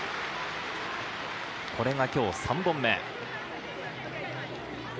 これが今日３本目。